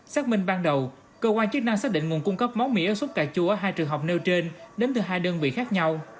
xác minh ban đầu cơ quan chức năng xác định nguồn cung cấp món mì ế sốt cà chua ở hai trường hợp nêu trên đến từ hai đơn vị khác nhau